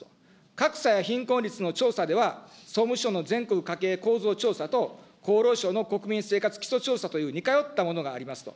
格差や貧困率の調査では、総務省の全国家計構造調査と、厚労省の国民生活基礎調査という似通ったものがありますと。